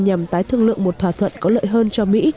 nhằm tái thương lượng một thỏa thuận có lợi hơn cho mỹ